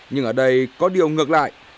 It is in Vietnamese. nhưng ở đây có điều ngược lại